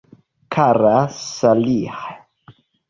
Kara Saliĥ.